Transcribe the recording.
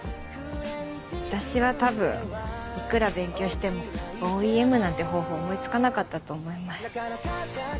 私は多分いくら勉強してもＯＥＭなんて方法思い付かなかったと思います。